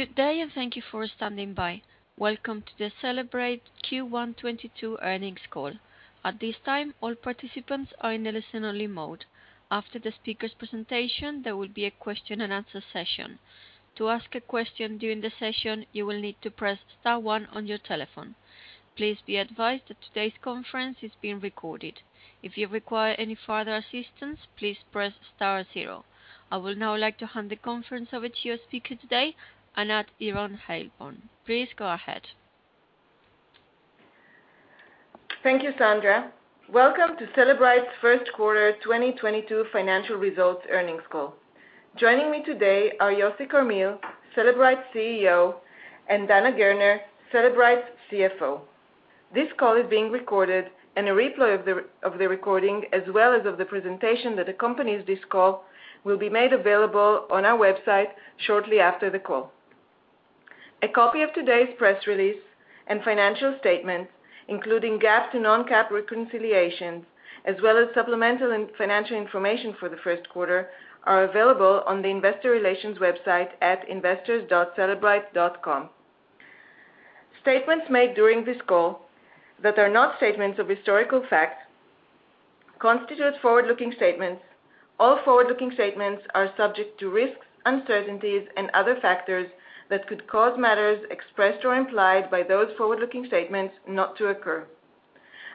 Good day and thank you for standing by. Welcome to the Cellebrite Q1 2022 earnings call. At this time, all participants are in listen-only mode. After the speaker's presentation, there will be a question and answer session. To ask a question during the session, you will need to press star one on your telephone. Please be advised that today's conference is being recorded. If you require any further assistance, please press star zero. I would now like to hand the conference over to your speaker today, Anat Earon-Heilborn. Please go ahead. Thank you, Sandra. Welcome to Cellebrite's first quarter 2022 financial results earnings call. Joining me today are Yossi Carmil, Cellebrite's CEO, and Dana Gerner, Cellebrite's CFO. This call is being recorded and a replay of the recording, as well as of the presentation that accompanies this call, will be made available on our website shortly after the call. A copy of today's press release and financial statements, including GAAP to non-GAAP reconciliations, as well as supplemental and financial information for the first quarter, are available on the investor relations website at investors.cellebrite.com. Statements made during this call that are not statements of historical facts constitute forward-looking statements. All forward-looking statements are subject to risks, uncertainties and other factors that could cause matters expressed or implied by those forward-looking statements not to occur.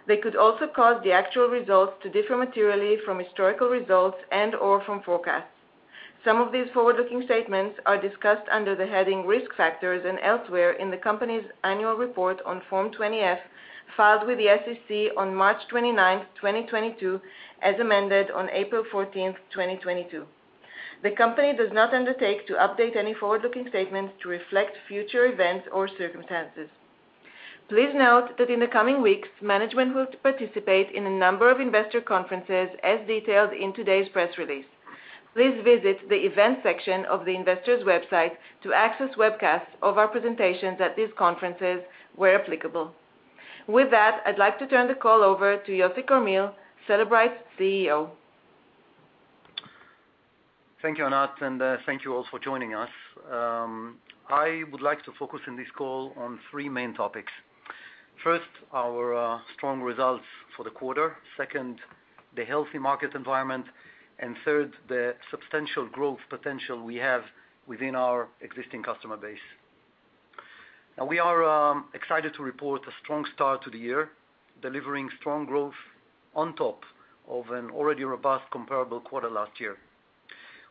They could also cause the actual results to differ materially from historical results and/or from forecasts. Some of these forward-looking statements are discussed under the heading Risk Factors and elsewhere in the company's annual report on Form 20-F filed with the SEC on March 29, 2022, as amended on April 14, 2022. The company does not undertake to update any forward-looking statements to reflect future events or circumstances. Please note that in the coming weeks, management will participate in a number of investor conferences, as detailed in today's press release. Please visit the events section of the investors website to access webcasts of our presentations at these conferences where applicable. With that, I'd like to turn the call over to Yossi Carmil, Cellebrite's CEO. Thank you, Anat, and thank you all for joining us. I would like to focus on this call on three main topics. First, our strong results for the quarter. Second, the healthy market environment. Third, the substantial growth potential we have within our existing customer base. Now, we are excited to report a strong start to the year, delivering strong growth on top of an already robust comparable quarter last year.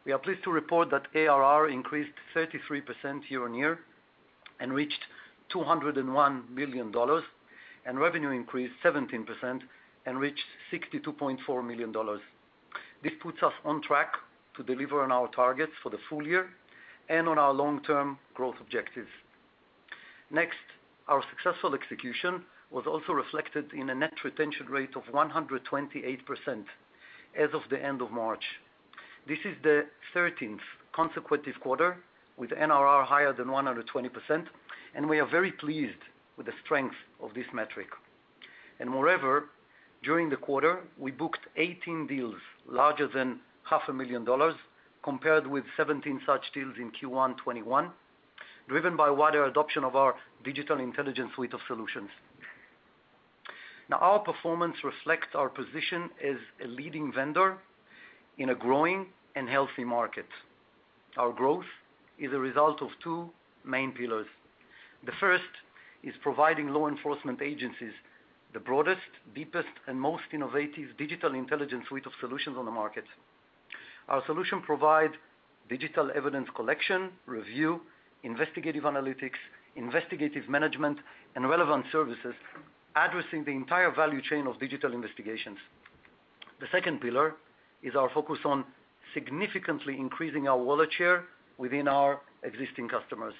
We are pleased to report that ARR increased 33% year-on-year and reached $201 million, and revenue increased 17% and reached $62.4 million. This puts us on track to deliver on our targets for the full year and on our long-term growth objectives. Next, our successful execution was also reflected in a net retention rate of 128% as of the end of March. This is the 13th consecutive quarter with NRR higher than 120%, and we are very pleased with the strength of this metric. Moreover, during the quarter, we booked 18 deals larger than $0.5 million, compared with 17 such deals in Q1 2021, driven by wider adoption of our digital intelligence suite of solutions. Our performance reflects our position as a leading vendor in a growing and healthy market. Our growth is a result of two main pillars. The first is providing law enforcement agencies the broadest, deepest and most innovative digital intelligence suite of solutions on the market. Our solution provide digital evidence collection, review, investigative analytics, investigative management, and relevant services addressing the entire value chain of digital investigations. The second pillar is our focus on significantly increasing our wallet share within our existing customers.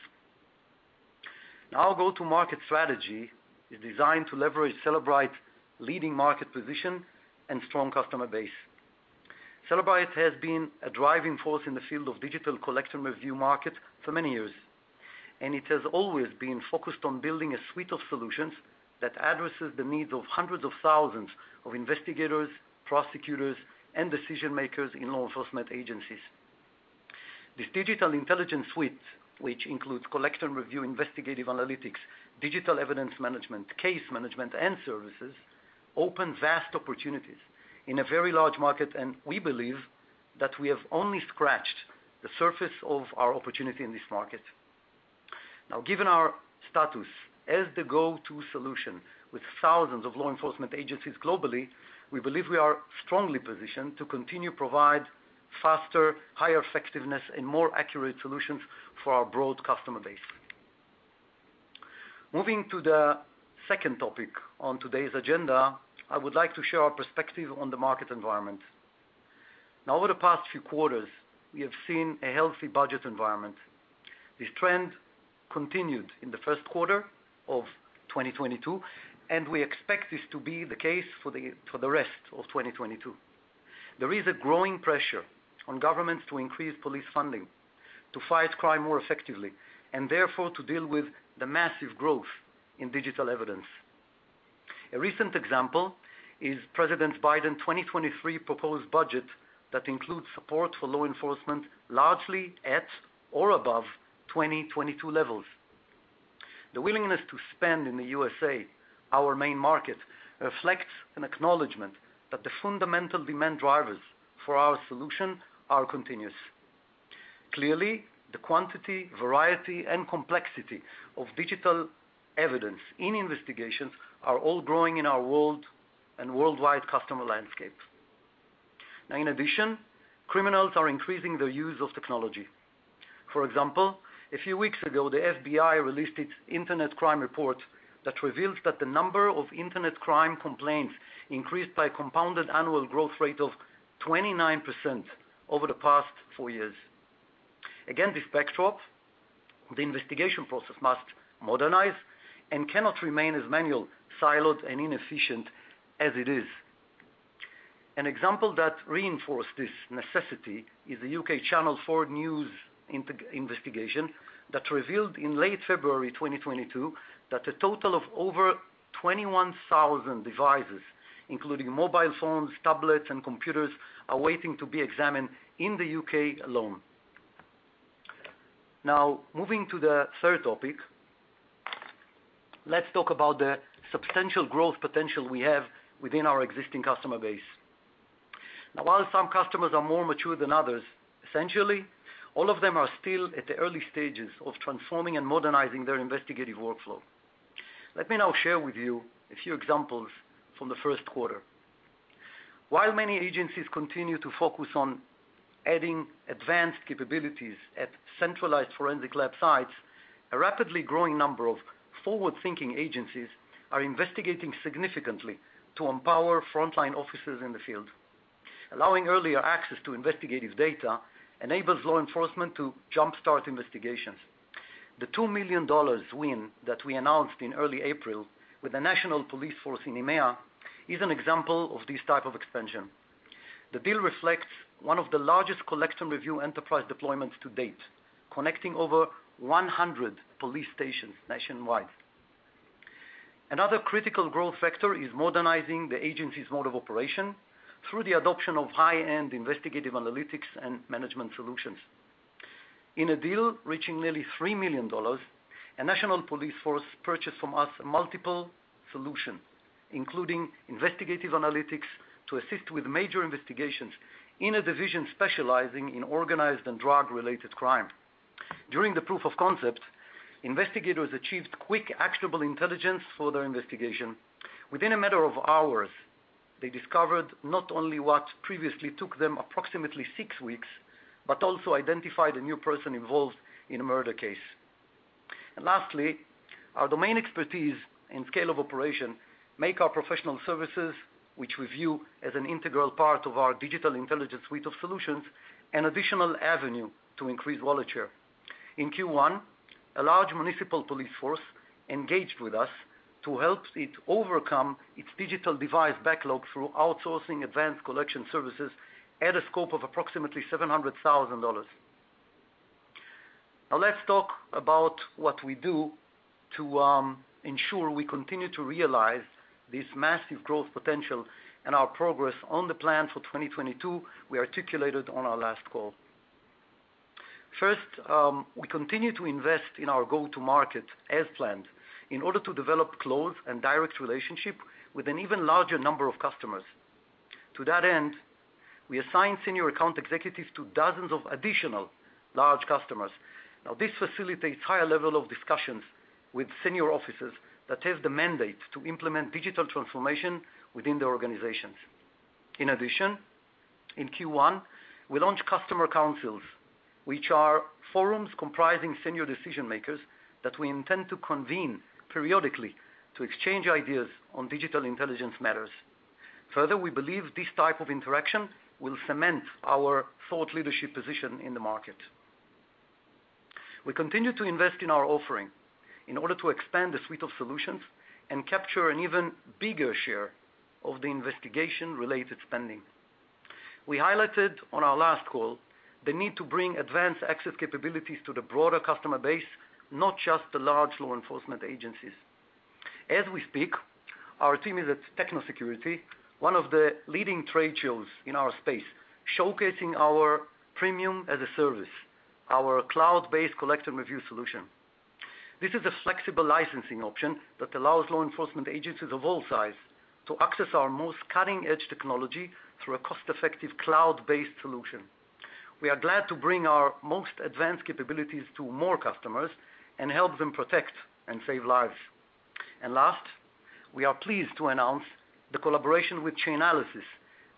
Our go-to-market strategy is designed to leverage Cellebrite's leading market position and strong customer base. Cellebrite has been a driving force in the field of digital collection review market for many years, and it has always been focused on building a suite of solutions that addresses the needs of hundreds of thousands of investigators, prosecutors and decision-makers in law enforcement agencies. This digital intelligence suite, which includes collection, review, investigative analytics, digital evidence management, case management and services, open vast opportunities in a very large market, and we believe that we have only scratched the surface of our opportunity in this market. Now, given our status as the go-to solution with thousands of law enforcement agencies globally, we believe we are strongly positioned to continue provide faster, higher effectiveness and more accurate solutions for our broad customer base. Moving to the second topic on today's agenda, I would like to share our perspective on the market environment. Now, over the past few quarters, we have seen a healthy budget environment. This trend continued in the first quarter of 2022, and we expect this to be the case for the rest of 2022. There is a growing pressure on governments to increase police funding to fight crime more effectively and therefore to deal with the massive growth in digital evidence. A recent example is President Biden 2023 proposed budget that includes support for law enforcement largely at or above 2022 levels. The willingness to spend in the USA, our main market, reflects an acknowledgment that the fundamental demand drivers for our solution are continuous. Clearly, the quantity, variety, and complexity of digital evidence in investigations are all growing in our world and worldwide customer landscape. Now in addition, criminals are increasing their use of technology. For example, a few weeks ago, the FBI released its Internet Crime Report that reveals that the number of internet crime complaints increased by a compound annual growth rate of 29% over the past four years. Against this backdrop, the investigation process must modernize and cannot remain as manual, siloed, and inefficient as it is. An example that reinforced this necessity is the U.K. Channel 4 News investigation that revealed in late February 2022 that a total of over 21,000 devices, including mobile phones, tablets, and computers, are waiting to be examined in the U.K. alone. Now, moving to the third topic, let's talk about the substantial growth potential we have within our existing customer base. Now while some customers are more mature than others, essentially, all of them are still at the early stages of transforming and modernizing their investigative workflow. Let me now share with you a few examples from the first quarter. While many agencies continue to focus on adding advanced capabilities at centralized forensic lab sites, a rapidly growing number of forward-thinking agencies are investigating significantly to empower frontline officers in the field. Allowing earlier access to investigative data enables law enforcement to jumpstart investigations. The $2 million win that we announced in early April with the national police force in EMEA is an example of this type of expansion. The deal reflects one of the largest collection review enterprise deployments to date, connecting over 100 police stations nationwide. Another critical growth factor is modernizing the agency's mode of operation through the adoption of high-end investigative analytics and management solutions. In a deal reaching nearly $3 million, a national police force purchased from us multiple solutions, including investigative analytics to assist with major investigations in a division specializing in organized and drug-related crime. During the proof of concept, investigators achieved quick, actionable intelligence for their investigation. Within a matter of hours, they discovered not only what previously took them approximately six weeks, but also identified a new person involved in a murder case. Lastly, our domain expertise and scale of operation make our professional services, which we view as an integral part of our digital intelligence suite of solutions, an additional avenue to increase wallet share. In Q1, a large municipal police force engaged with us to help it overcome its digital device backlog through outsourcing advanced collection services at a scope of approximately $700,000. Now let's talk about what we do to ensure we continue to realize this massive growth potential and our progress on the plan for 2022 we articulated on our last call. First, we continue to invest in our go-to-market as planned in order to develop close and direct relationship with an even larger number of customers. To that end, we assigned senior account executives to dozens of additional large customers. This facilitates higher level of discussions with senior officers that have the mandate to implement digital transformation within their organizations. In addition, in Q1, we launched customer councils, which are forums comprising senior decision-makers that we intend to convene periodically to exchange ideas on digital intelligence matters. Further, we believe this type of interaction will cement our thought leadership position in the market. We continue to invest in our offering in order to expand the suite of solutions and capture an even bigger share of the investigation-related spending. We highlighted on our last call the need to bring advanced access capabilities to the broader customer base, not just the large law enforcement agencies. As we speak, our team is at Techno Security & Digital Forensics Conference, one of the leading trade shows in our space, showcasing our Premium as a Service, our cloud-based collect and review solution. This is a flexible licensing option that allows law enforcement agencies of all sizes to access our most cutting-edge technology through a cost-effective cloud-based solution. We are glad to bring our most advanced capabilities to more customers and help them protect and save lives. Last, we are pleased to announce the collaboration with Chainalysis,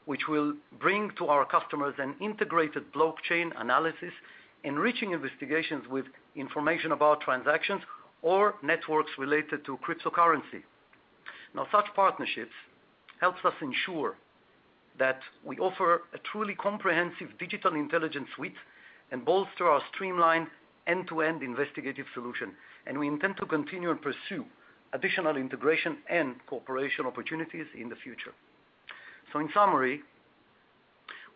which will bring to our customers an integrated blockchain analysis, enriching investigations with information about transactions or networks related to cryptocurrency. Now such partnerships help us ensure that we offer a truly comprehensive digital intelligence suite and bolster our streamlined end-to-end investigative solution. We intend to continue and pursue additional integration and cooperation opportunities in the future. In summary,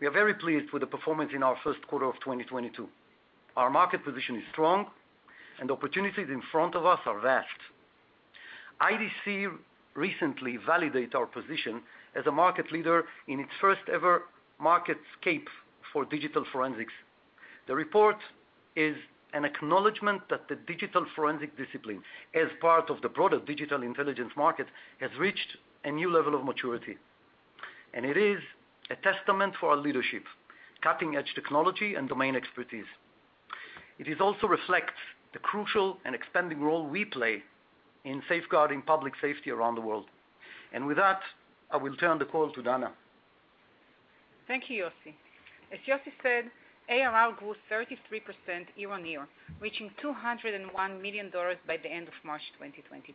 we are very pleased with the performance in our first quarter of 2022. Our market position is strong and the opportunities in front of us are vast. IDC recently validated our position as a market leader in its first-ever MarketScape for digital forensics. The report is an acknowledgment that the digital forensic discipline, as part of the broader digital intelligence market, has reached a new level of maturity, and it is a testament to our leadership, cutting-edge technology and domain expertise. It also reflects the crucial and expanding role we play in safeguarding public safety around the world. With that, I will turn the call to Dana. Thank you, Yossi. As Yossi said, ARR grew 33% year-on-year, reaching $201 million by the end of March 2022.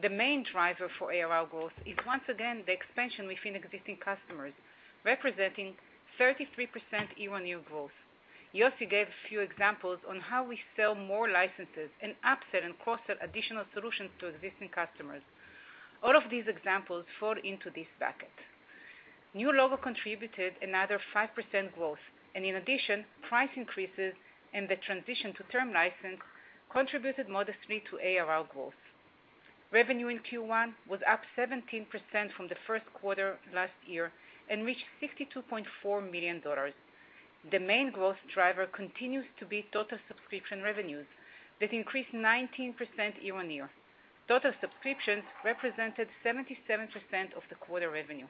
The main driver for ARR growth is once again the expansion within existing customers, representing 33% year-on-year growth. Yossi gave a few examples on how we sell more licenses and upsell and cross-sell additional solutions to existing customers. All of these examples fall into this bucket. New logo contributed another 5% growth, and in addition, price increases and the transition to term license contributed modestly to ARR growth. Revenue in Q1 was up 17% from the first quarter last year and reached $62.4 million. The main growth driver continues to be total subscription revenues that increased 19% year-on-year. Total subscriptions represented 77% of the quarter revenue.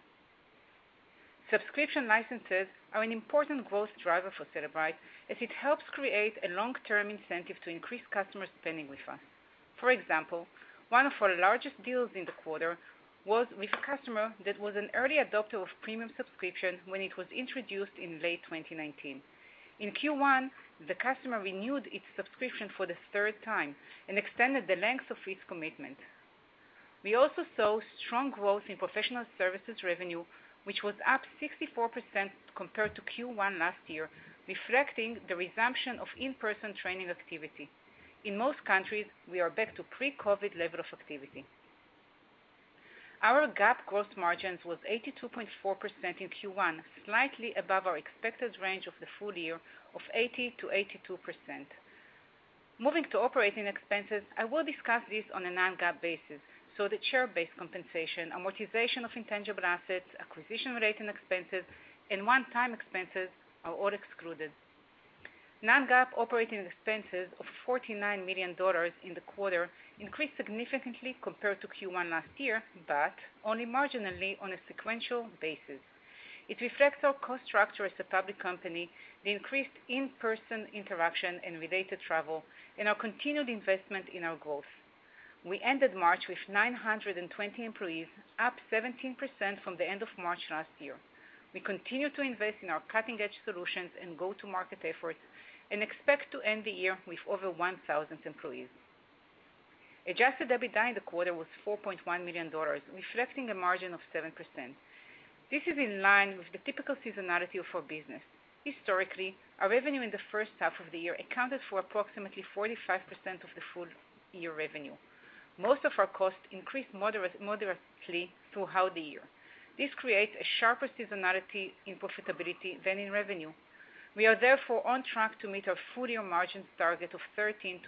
Subscription licenses are an important growth driver for Cellebrite as it helps create a long-term incentive to increase customer spending with us. For example, one of our largest deals in the quarter was with a customer that was an early adopter of premium subscription when it was introduced in late 2019. In Q1, the customer renewed its subscription for the third time and extended the length of its commitment. We also saw strong growth in professional services revenue, which was up 64% compared to Q1 last year, reflecting the resumption of in-person training activity. In most countries, we are back to pre-COVID level of activity. Our GAAP gross margins was 82.4% in Q1, slightly above our expected range of the full year of 80%-82%. Moving to operating expenses, I will discuss this on a non-GAAP basis, so that share-based compensation, amortization of intangible assets, acquisition-related expenses and one-time expenses are all excluded. Non-GAAP operating expenses of $49 million in the quarter increased significantly compared to Q1 last year, but only marginally on a sequential basis. It reflects our cost structure as a public company, the increased in-person interaction and related travel, and our continued investment in our growth. We ended March with 920 employees, up 17% from the end of March last year. We continue to invest in our cutting-edge solutions and go-to-market efforts and expect to end the year with over 1,000 employees. Adjusted EBITDA in the quarter was $4.1 million, reflecting a margin of 7%. This is in line with the typical seasonality of our business. Historically, our revenue in the first half of the year accounted for approximately 45% of the full year revenue. Most of our costs increased moderately throughout the year. This creates a sharper seasonality in profitability than in revenue. We are therefore on track to meet our full-year margins target of 13%-15%.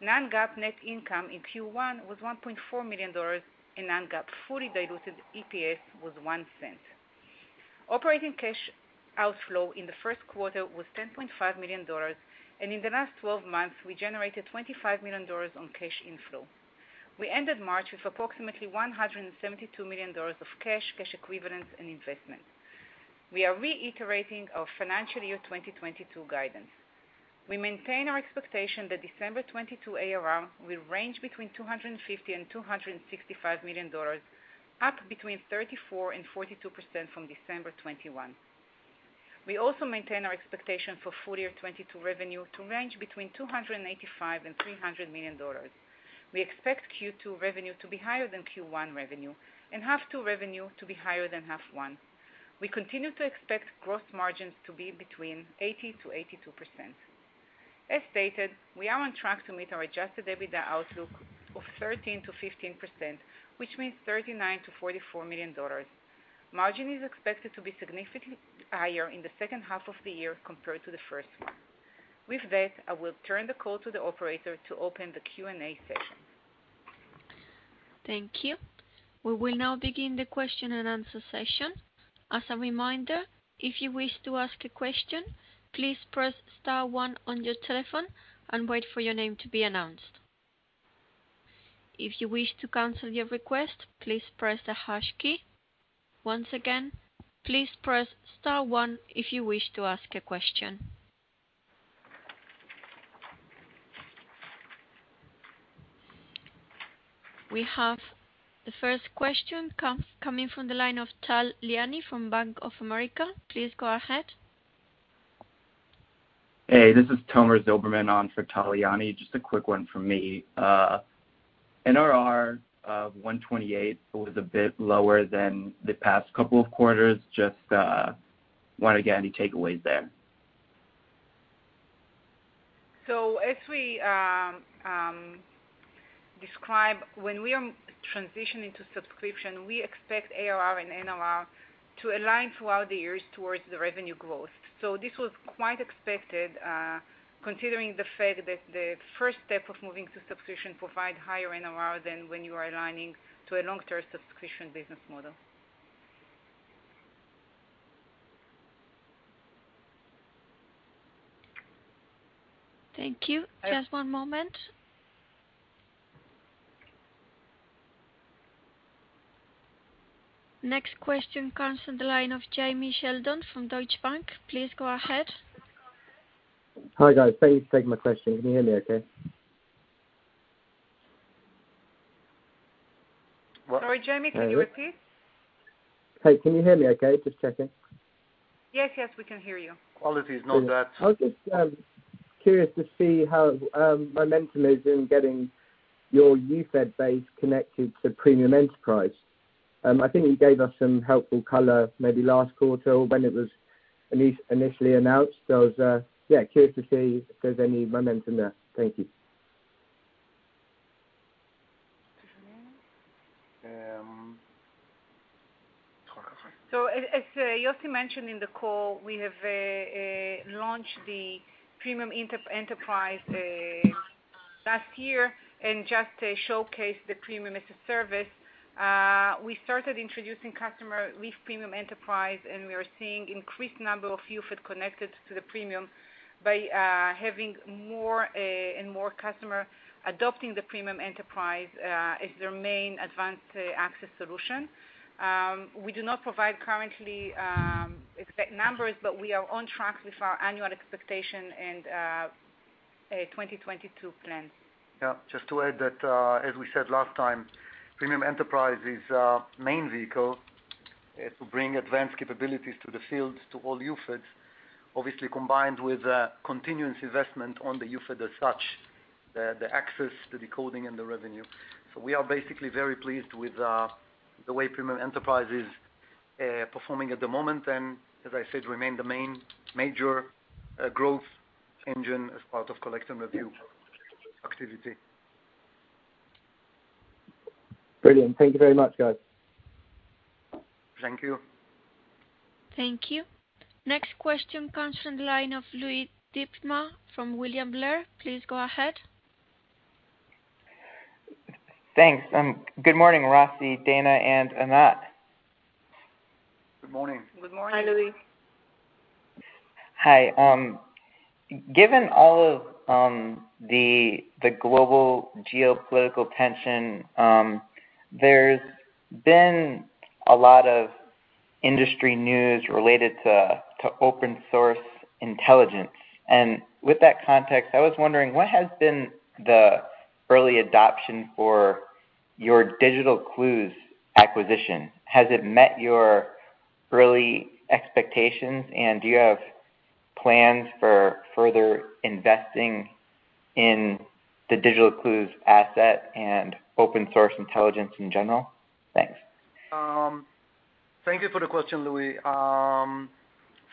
Non-GAAP net income in Q1 was $1.4 million, and non-GAAP, fully diluted EPS was $0.01. Operating cash outflow in the first quarter was $10.5 million, and in the last 12 months, we generated $25 million of cash inflow. We ended March with approximately $172 million of cash equivalents and investments. We are reiterating our financial year 2022 guidance. We maintain our expectation that December 2022 ARR will range between $250 million and $265 million, up 34%-42% from December 2021. We also maintain our expectation for full year 2022 revenue to range between $285 million-$300 million. We expect Q2 revenue to be higher than Q1 revenue and H2 revenue to be higher than H1. We continue to expect gross margins to be between 80%-82%. As stated, we are on track to meet our Adjusted EBITDA outlook of 13%-15%, which means $39 million-$44 million. Margin is expected to be significantly higher in the second half of the year compared to the first one. With that, I will turn the call to the operator to open the Q&A session. Thank you. We will now begin the question and answer session. As a reminder, if you wish to ask a question, please press star one on your telephone and wait for your name to be announced. If you wish to cancel your request, please press the hash key. Once again, please press star one if you wish to ask a question. We have the first question coming from the line of Tal Liani from Bank of America. Please go ahead. Hey, this is Tomer Zilberman on for Tal Liani. Just a quick one from me. NRR of 128 was a bit lower than the past couple of quarters. Just, want to get any takeaways there? As we describe when we are transitioning to subscription, we expect ARR and NRR to align throughout the years towards the revenue growth. This was quite expected, considering the fact that the first step of moving to subscription provide higher NRR than when you are aligning to a long-term subscription business model. Thank you. Just one moment. Next question comes on the line of Jamie Shelton from Deutsche Bank. Please go ahead. Hi, guys. Please take my question. Can you hear me okay? Sorry, Jamie, can you repeat? Hey, can you hear me okay? Just checking. Yes, yes, we can hear you. Quality is not that. I was just curious to see how momentum is in getting your UFED base connected to Premium Enterprise. I think you gave us some helpful color maybe last quarter when it was initially announced. I was curious to see if there's any momentum there. Thank you. As Yossi mentioned in the call, we have launched the Premium Enterprise last year and just showcased the Premium as a Service. We started introducing customer with Premium Enterprise, and we are seeing increased number of UFED connected to the Premium by having more and more customer adopting the Premium Enterprise as their main advanced access solution. We do not provide currently exact numbers, but we are on track with our annual expectation and 2022 plans. Yeah. Just to add that, as we said last time, Premium Enterprise is our main vehicle to bring advanced capabilities to the field to all UFEDs, obviously combined with continuous investment on the UFED as such, the access, the decoding and the revenue. We are basically very pleased with the way Premium Enterprise is performing at the moment and as I said, remain the main major growth engine as part of collecting review activity. Brilliant. Thank you very much, guys. Thank you. Thank you. Next question comes from the line of Louie DiPalma from William Blair. Please go ahead. Thanks. Good morning, Yossi, Dana, and Anat. Good morning. Good morning. Hi, Louie. Hi. Given all of the global geopolitical tension, there's been a lot of industry news related to open source intelligence. With that context, I was wondering, what has been the early adoption for your Digital Clues acquisition? Has it met your early expectations, and do you have plans for further investing in the Digital Clues asset and open source intelligence in general? Thanks. Thank you for the question, Louis.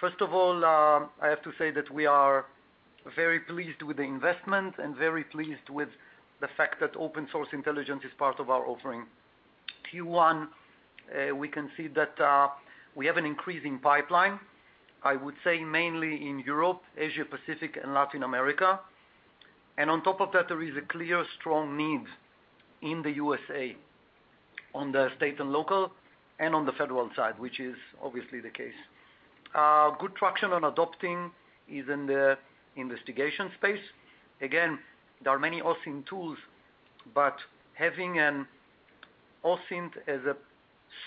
First of all, I have to say that we are very pleased with the investment and very pleased with the fact that open source intelligence is part of our offering. Q1, we can see that we have an increasing pipeline, I would say mainly in Europe, Asia-Pacific and Latin America. On top of that, there is a clear strong need in the USA on the state and local and on the federal side, which is obviously the case. Good traction on adoption in the investigation space. Again, there are many OSINT tools, but having OSINT as a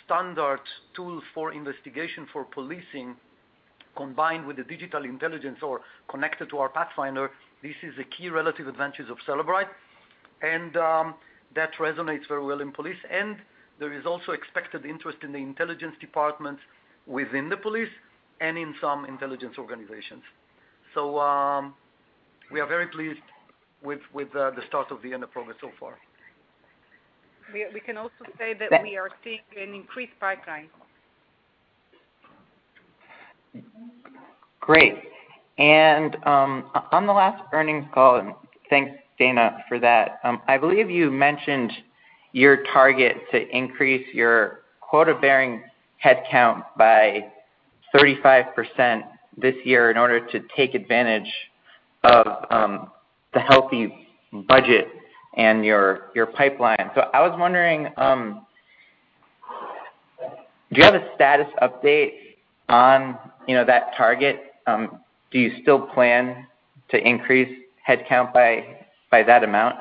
standard tool for investigation for policing combined with the digital intelligence or connected to our Pathfinder, this is a key relative advantage of Cellebrite. That resonates very well with police. There is also expected interest in the intelligence department within the police and in some intelligence organizations. We are very pleased with the start and the end of progress so far. We can also say that we are seeing an increased pipeline. Great. On the last earnings call, and thanks Dana for that, I believe you mentioned your target to increase your quota-bearing headcount by 35% this year in order to take advantage of the healthy budget and your pipeline. I was wondering, do you have a status update on, you know, that target? Do you still plan to increase headcount by that amount?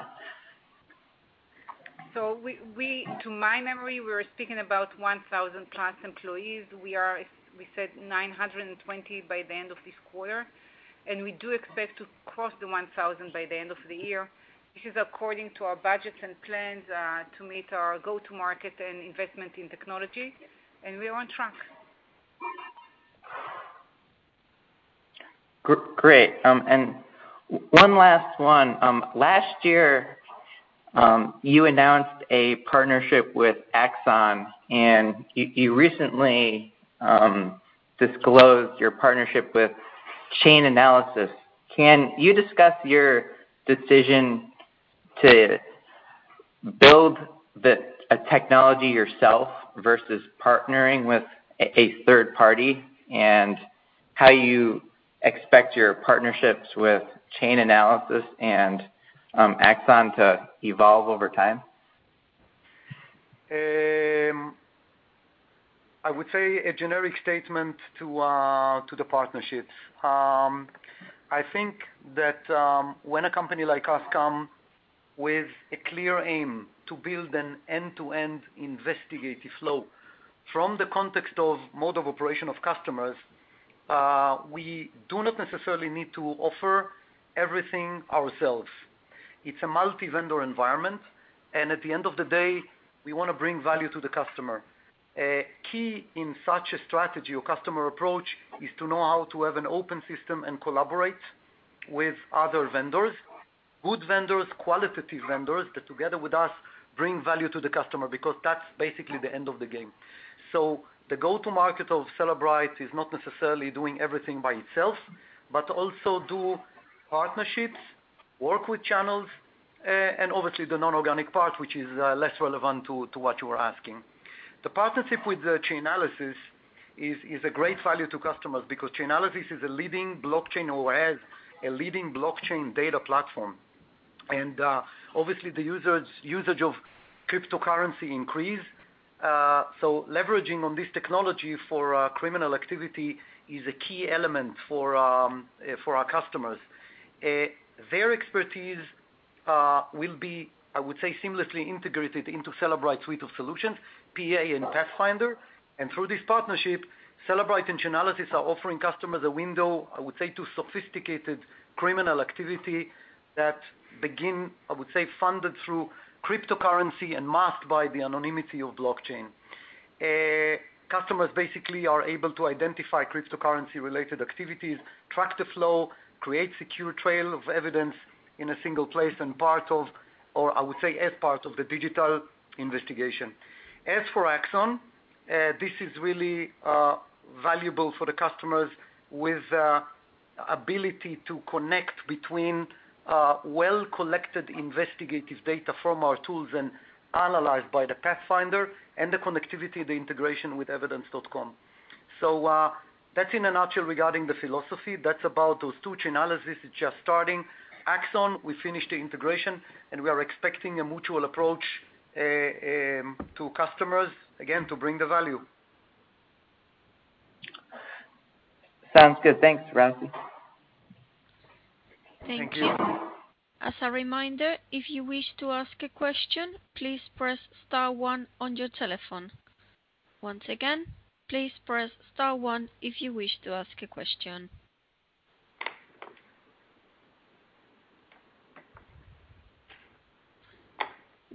To my memory, we were speaking about 1,000+ employees. We said 920 by the end of this quarter, and we do expect to cross the 1,000 by the end of the year, which is according to our budgets and plans to meet our go-to-market and investment in technology. We are on track. Great. And one last one. Last year, you announced a partnership with Axon, and you recently disclosed your partnership with Chainalysis. Can you discuss your decision to build the technology yourself versus partnering with a third party, and how you expect your partnerships with Chainalysis and Axon to evolve over time? I would say a generic statement to the partnerships. I think that when a company like us come with a clear aim to build an end-to-end investigative flow from the context of mode of operation of customers, we do not necessarily need to offer everything ourselves. It's a multi-vendor environment, and at the end of the day, we wanna bring value to the customer. A key in such a strategy or customer approach is to know how to have an open system and collaborate with other vendors, good vendors, qualitative vendors, that together with us, bring value to the customer because that's basically the end of the game. The go-to market of Cellebrite is not necessarily doing everything by itself, but also do partnerships, work with channels, and obviously the non-organic part, which is less relevant to what you are asking. The partnership with Chainalysis is a great value to customers because Chainalysis is a leading blockchain or has a leading blockchain data platform. Obviously usage of cryptocurrency increase. Leveraging on this technology for criminal activity is a key element for our customers. Their expertise will be, I would say, seamlessly integrated into Cellebrite suite of solutions, PA and Pathfinder. Through this partnership, Cellebrite and Chainalysis are offering customers a window, I would say, to sophisticated criminal activity that begin, I would say, funded through cryptocurrency and masked by the anonymity of blockchain. Customers basically are able to identify cryptocurrency related activities, track the flow, create secure trail of evidence in a single place and part of, or I would say as part of the digital investigation. As for Axon, this is really valuable for the customers with ability to connect between well collected investigative data from our tools and analyzed by the Pathfinder and the connectivity, the integration with Evidence.com. That's in a nutshell regarding the philosophy. That's about those two. Chainalysis is just starting. Axon, we finished the integration, and we are expecting a mutual approach to customers, again, to bring the value. Sounds good. Thanks, Yossi Carmil. Thank you. Thank you. As a reminder, if you wish to ask a question, please press star one on your telephone. Once again, please press star one if you wish to ask a question.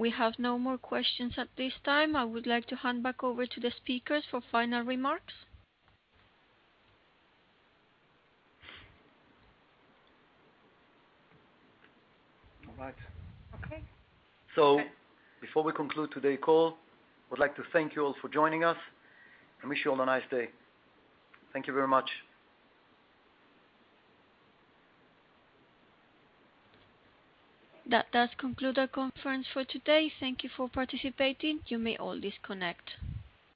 We have no more questions at this time. I would like to hand back over to the speakers for final remarks. All right. Okay. Before we conclude today's call, I would like to thank you all for joining us and wish you all a nice day. Thank you very much. That does conclude our conference for today. Thank you for participating. You may all disconnect.